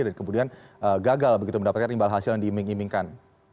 dan kemudian gagal begitu mendapatkan imbal hasil yang diiming imingkan